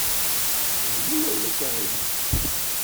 Bdu, ma ulac aɣilif.